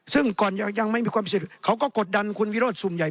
ซึ่งก่อนยังไม่มีความสิทธิ์เขาก็กดดันคุณวิโรธสุ่มใหญ่